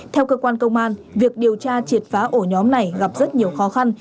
theo cơ quan công an việc điều tra triệt phá ổ nhóm này gặp rất nhiều khó khăn